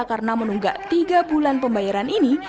karena menunggak tiga bulan pembayaran ini